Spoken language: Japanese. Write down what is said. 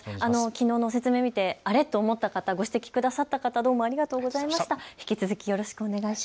きのうの説明見てあれっと思った方、ご指摘くださった方、ありがとうございました。